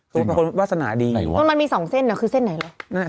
คือมันประควรวาสนาดีไหนวะมันมีสองเส้นอ่ะคือเส้นไหนหรอ